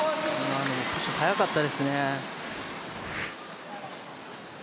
速かったですね。